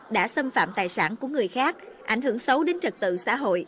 đã xâm phạm tài sản của người khác ảnh hưởng xấu đến trật tự xã hội